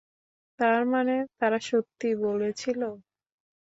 তার মানে তারা সত্যি বলেছিল?